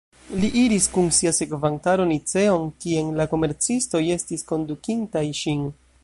Li iris kun sia sekvantaro Niceon, kien la komercistoj estis kondukintaj ŝin.